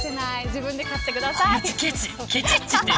自分で買ってください。